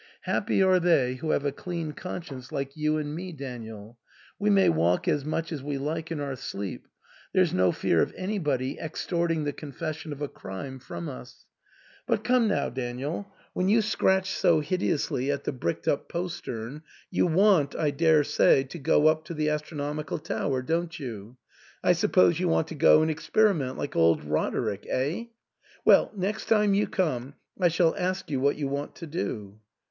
Happy are they who have a clean conscience like you and me, Daniel ! We may walk as much as we like in our sleep ; there's no fear of anybody extorting the confession of a crime from us. But come now, Daniel ! when you scratch so hideously at the bricked up postern, you want, I dare say, to go up the astronomical tower, don't you ? I suppose you want to go and experiment like old Roderick — eh ? Well, next time you come, I shall ask you what you want to do."